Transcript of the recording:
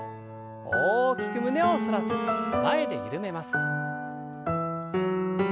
大きく胸を反らせて前で緩めます。